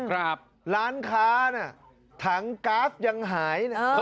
ร้านค้าถังก๊าซยังหาย